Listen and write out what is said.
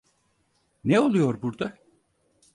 Ne oluyor burda?